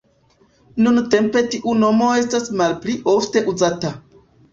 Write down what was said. Nuntempe tiu nomo estas malpli ofte uzata.